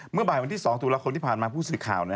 เมื่อบ่ายวันที่๒ตุลาคมที่ผ่านมาผู้สื่อข่าว